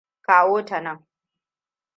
Kawo ta nan.